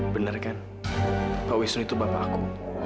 benar kan pak wisnu itu bapak aku